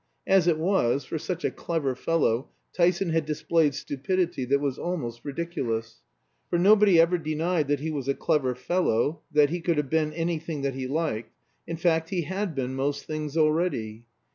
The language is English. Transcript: As it was, for such a clever fellow Tyson had displayed stupidity that was almost ridiculous. For nobody ever denied that he was a clever fellow, that he could have been anything that he liked; in fact, he had been most things already.